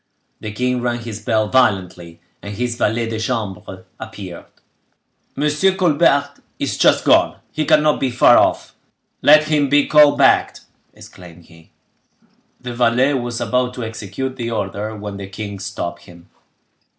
The king rang his bell violently, and his valet de chambre appeared. "Monsieur Colbert is just gone; he cannot be far off. Let him be called back!" exclaimed he. The valet was about to execute the order, when the king stopped him.